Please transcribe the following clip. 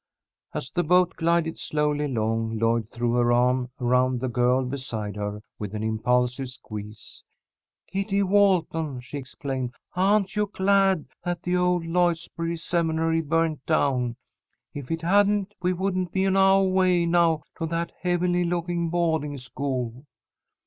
As the boat glided slowly along, Lloyd threw her arm around the girl beside her, with an impulsive squeeze. "Kitty Walton," she exclaimed, "aren't you glad that the old Lloydsboro Seminary burned down? If it hadn't, we wouldn't be on ouah way now to that heavenly looking boahding school!"